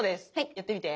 やってみて。